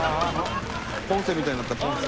ポンセみたいになったポンセ。